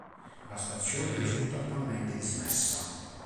La stazione risulta attualmente dismessa.